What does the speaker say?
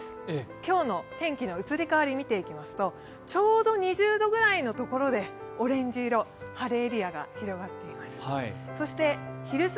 今日の天気の移り変わりを見ていきますとちょうど２０度くらいのところでオレンジ色、晴れエリアが広がっています。